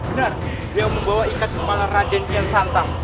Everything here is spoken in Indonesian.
benar dia membawa ikat kepala raden kian santang